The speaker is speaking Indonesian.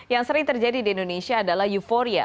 yang sering terjadi di indonesia adalah euforia